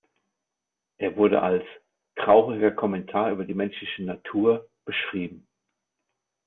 Er wurde als „trauriger Kommentar über die menschliche Natur“ beschrieben.